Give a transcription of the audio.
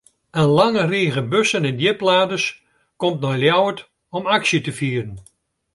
In lange rige bussen en djipladers komt nei Ljouwert om aksje te fieren.